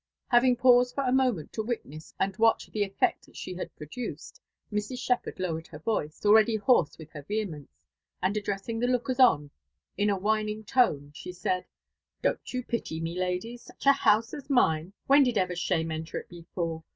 Having paused for a moment to witness and watch the effect she had produced, Mrs. Shepherd lowered her voice, already hoarse with her vehemence, and addressing the lookers on in a whin ing tone, she said — "Don't you pity me, ladies t^— Such a house as mine !— when did ever shame enter it before?